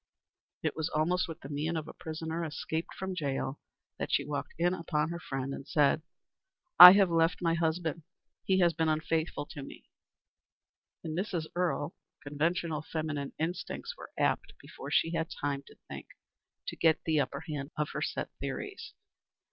It was almost with the mien of a prisoner escaped from jail that she walked in upon her friend and said: "I have left my husband. He has been unfaithful to me." In Mrs. Earle, conventional feminine instincts were apt, before she had time to think, to get the upper hand of her set theories.